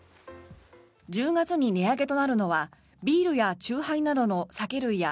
１０月に値上げとなるのはビールや酎ハイなどの酒類や